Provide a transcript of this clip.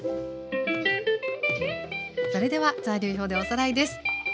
それでは材料表でおさらいです。